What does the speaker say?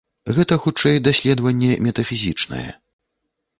Гэта хутчэй даследаванне метафізічнае.